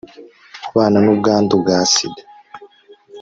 ubana n ubwandu bwa sida